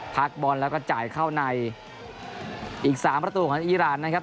พักบอลแล้วก็จ่ายเข้าในอีก๓ประตูของอีรานนะครับ